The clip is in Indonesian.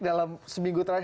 dalam seminggu terakhir